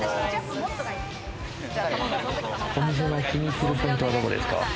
お店の気に入ってるポイントは、どこですか？